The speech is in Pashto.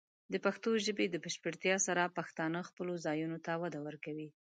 د پښتو ژبې د بشپړتیا سره، پښتانه خپلو ځایونو ته وده ورکوي.